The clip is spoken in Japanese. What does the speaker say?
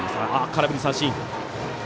空振り三振。